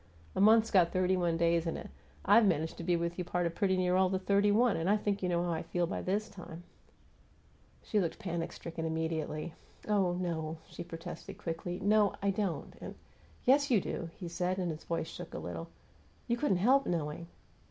A month's got thirty one days in it; I've managed to be with you a part of pretty near all the thirty one, and I think you know how I feel by this time " She looked panic stricken immediately. "Oh, no," she protested, quickly. "No, I don't, and " "Yes, you do," he said, and his voice shook a little. "You couldn't help knowing."